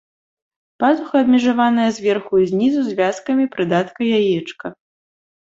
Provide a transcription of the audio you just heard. Пазуха абмежаваная зверху і знізу звязкамі прыдатка яечка.